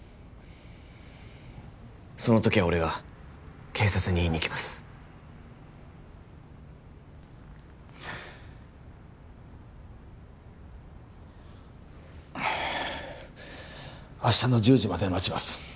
その時は俺が警察に言いに行きますはあ明日の１０時まで待ちます